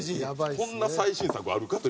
こんな最新作あるかという。